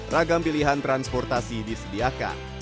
ragam pilihan transportasi disediakan